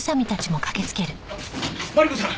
マリコさん！